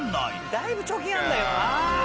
だいぶ貯金あるんだけどな。